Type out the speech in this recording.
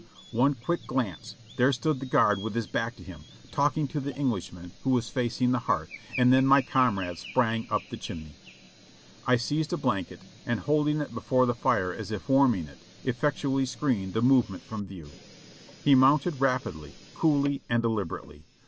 One quick glance ; there stood the guard with his back to him, talking to the Englishman, who was facing the hearth, and then my comrade sprang up the chimney. I seized a blanket, and holding it before the fire as if warming it, effectually screened the movement from view. He mounted rapidly, coolly and deliberately.